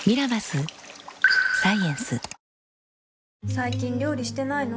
最近料理してないの？